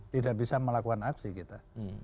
tidak bisa melakukan aksi kita